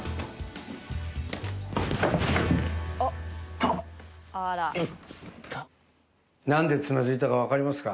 痛っいった何でつまずいたか分かりますか？